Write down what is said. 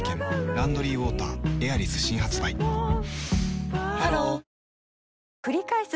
「ランドリーウォーターエアリス」新発売ハローくりかえす